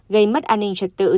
gây mất an ninh trật tự